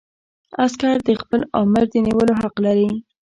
عسکر د خپل آمر د نیولو حق لري.